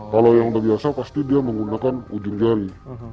kalau yang nggak biasa pasti dia menggunakan ujung jari